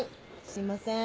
すいません。